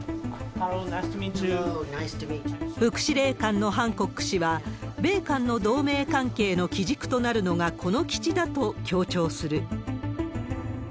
副司令官のハンコック氏は、米韓の同盟関係の基軸となるのがこの基地だと強調する。